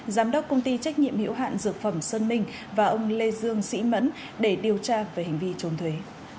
giám đốc công ty trách nhiệm hiệu hạn dược phẩm sơn minh và ông lê dương sĩ mẫn để điều tra về hành vi trốn thuế